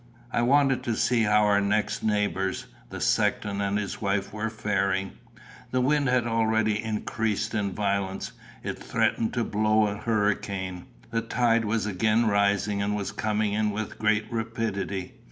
I wanted to see how our next neighbours, the sexton and his wife, were faring. The wind had already increased in violence. It threatened to blow a hurricane. The tide was again rising, and was coming in with great rapidity.